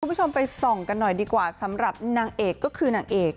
คุณผู้ชมไปส่องกันหน่อยดีกว่าสำหรับนางเอกก็คือนางเอก